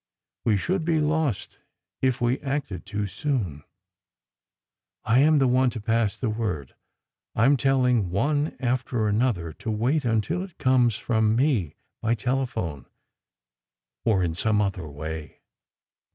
We should be lost if we acted too soon. I am the one to pass the word. I am telling one after another to wait until it comes from me, by telephone or in some other way."